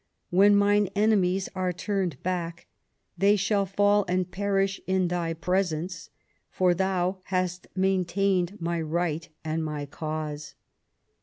When mine enemies are turned back They shall fall and perish in Thy presence. For Thou hast maintained my right and my cause."